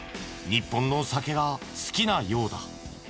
日本の酒が好きなようだ。